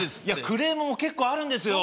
クレームも結構あるんですよ。